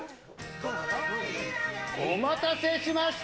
お待たせしました！